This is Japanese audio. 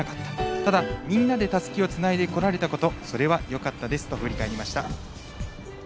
ただ、みんなでたすきをつないでこれたことそれはよかったですと振り返りました。